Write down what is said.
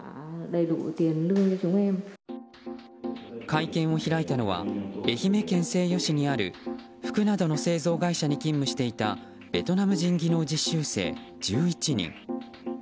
会見を開いたのは愛媛県西予市にある服などの製造会社に勤務していたベトナム人技能実習生１１人。